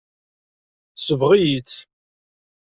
Tesbeɣ-iyi-tt.